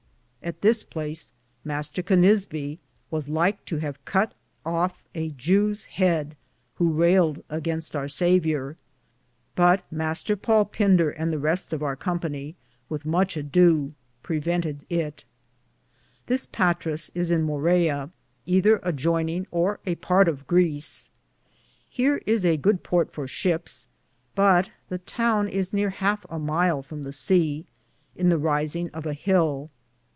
At this place Mr. Cunisbe was like to have cutt of a Jew's heade, who railed againste our Saviour ; but Mr. PauU Pinder and the reste of our Company, with muche at dow, prevented it. This Petrace (Patras) is in Morea, ether adjoyninge or a parte of Greece. Hear is a good porte for ships ; but the towne is neare halfe a myle from the sea, in the risinge of a hill.